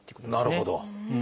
なるほど。